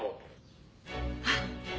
あっ！